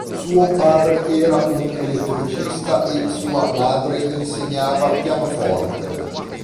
Suo padre era un elettricista e sua madre insegnava pianoforte.